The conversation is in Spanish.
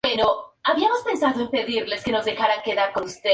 Integra la Región Metropolitana de Londrina.